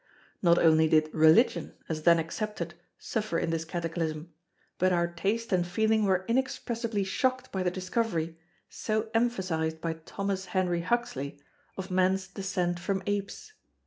Not only did religion, as then accepted, suffer in this cataclysm, but our taste and feeling were inexpressibly shocked by the discovery, so emphasised by Thomas Henry Huxley, of Man's descent from Apes.